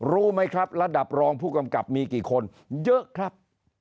รู้ไหมครับระดับรองผู้กำกับมีกี่คนเยอะครับ